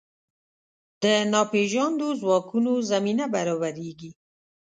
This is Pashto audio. د ناپېژاندو ځواکونو زمینه برابرېږي.